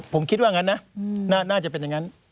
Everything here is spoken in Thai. ผมคิดว่างั้นนะน่าจะเป็นอย่างนั้น